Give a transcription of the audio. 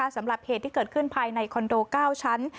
สำหรับเหตุที่เกิดขึ้นภายในคอนโด๙ชั้น